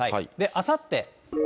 あさって。